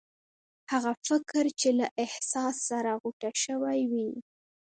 هغه فکر چې له احساس سره غوټه شوی وي.